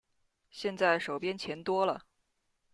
现在手边钱多了